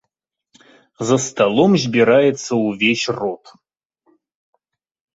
За сталом збіраецца ўвесь род.